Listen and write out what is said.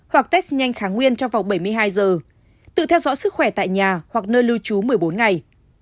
hoặc test nhanh kháng nguyên trong vòng bảy mươi hai giờ tự theo dõi sức khỏe tại nhà hoặc nơi lưu trú một mươi bốn ngày